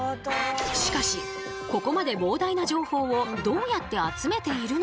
しかしここまで膨大な情報をどうやって集めているのか。